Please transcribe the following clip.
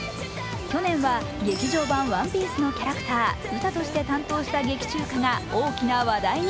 去年は劇場版「ＯＮＥＰＩＥＣＥ」のキャラクター、ウタとして担当した劇中歌が大きな話題に。